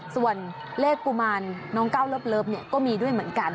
ส่วนเลขกุมารน้องก้าวเลิฟก็มีด้วยเหมือนกัน